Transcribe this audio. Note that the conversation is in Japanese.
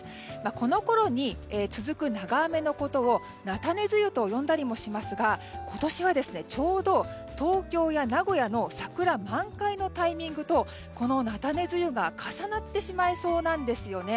このころに続く長雨のことをなたね梅雨と呼んだりもしますが今年はちょうど東京や名古屋の桜満開のタイミングとこのなたね梅雨が重なってしまいそうなんですよね。